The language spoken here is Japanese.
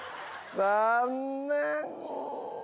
残念。